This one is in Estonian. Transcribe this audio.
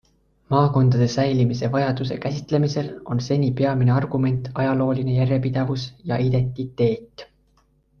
Maakondade säilimise vajaduse käsitlemisel on seni peamine argument ajalooline järjepidevus ja identiteet.